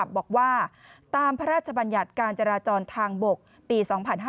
บอกว่าตามพระราชบัญญัติการจราจรทางบกปี๒๕๕๙